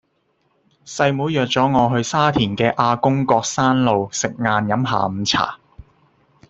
細妹約左我去沙田嘅亞公角山路食晏飲下午茶